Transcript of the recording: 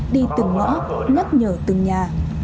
đi từng ngõ nhắc nhở từng nhà